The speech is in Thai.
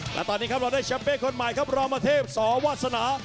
และตอนนี้ครับเราได้แชมเป้คนใหม่ครับรอมเทพสอวาสนา